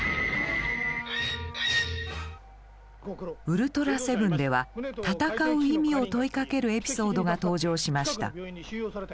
「ウルトラセブン」では「戦う意味」を問いかけるエピソードが登場しました。